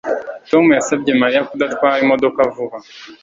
Tom yasabye Mariya kudatwara imodoka vuba